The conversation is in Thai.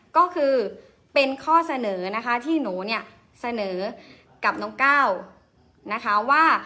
ก็คือเป็นข้อเสนอนะคะที่หนูเนี่ยเสนอกับน้องก้าวนะคะว่า